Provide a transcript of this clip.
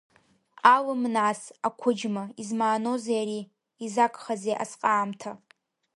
Алым нас, Ақәыџьма, измааноузеи ари, изагхазеи асҟаамҭа?